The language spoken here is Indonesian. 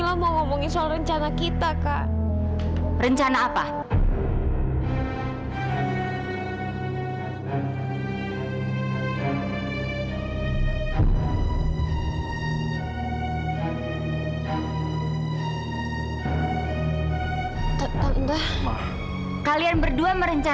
sampai jumpa di video selanjutnya